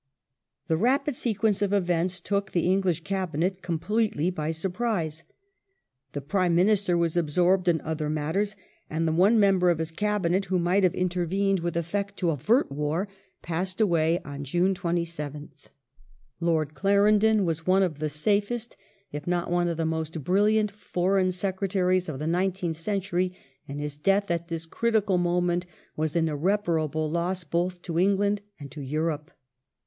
England The rapid sequence of events took the English Cabinet com Franco P^^^ely by surprise. The Prime Minister was absorbed in other German matters, and the one member of his Cabinet who might have intervened with effect to avert war passed away on June 27th. Lord Clarendon was one of the safest, if not one of the most biilliant. Foreign Secretaries of the nineteenth century, and his death at this critical moment was an irreparable loss both to England and to Europe.